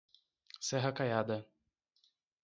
Serra Caiada